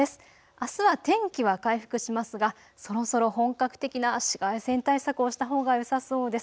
あすは天気は回復しますがそろそろ本格的な紫外線対策をしたほうがよさそうです。